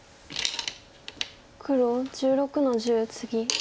黒１６の十ツギ。